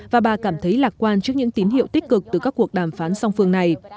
và bà cảm thấy lạc quan trước những tín hiệu tích cực từ các cuộc đàm phán song phương này